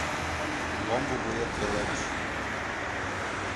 Ломбо вует пеледыш -